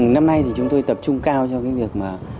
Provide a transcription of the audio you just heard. năm nay chúng tôi tập trung cao cho việc